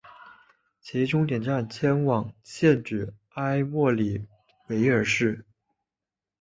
其终点站迁往现址埃默里维尔市。